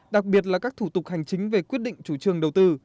đặc biệt là các thủ tục hành chính về quyết định chủ trương đầu tư